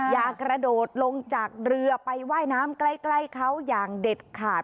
อย่ากระโดดลงจากเรือไปว่ายน้ำใกล้เขาอย่างเด็ดขาด